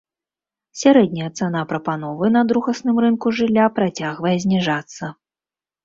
Сярэдняя цана прапановы на другасным рынку жылля працягвае зніжацца.